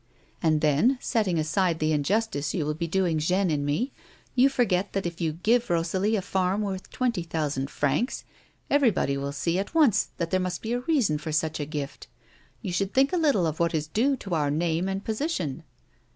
And then, setting aside the injustice you will be doing Jeanne and me, you forget that if you give Rosalie a farm worth twenty thousand francs everybody will see at once that there must be a reason for such a gift. You should think a little of what is due to our name and position."